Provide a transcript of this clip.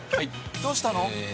どうしたの？